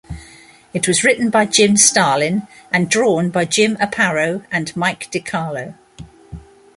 It was written by Jim Starlin and drawn by Jim Aparo and Mike DeCarlo.